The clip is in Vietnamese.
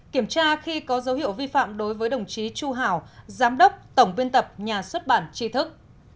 một kiểm tra khi có dấu hiệu vi phạm đối với đồng chí chu hảo giám đốc tổng biên tập nhà xuất bản tri thức